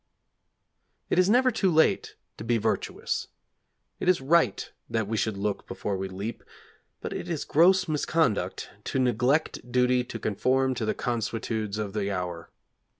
It is never too late to be virtuous. It is right that we should look before we leap, but it is gross misconduct to neglect duty to conform to the consuetudes of the hour.